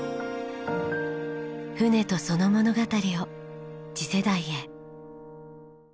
船とその物語を次世代へ。